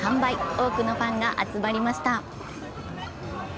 多くのファンが集まりました。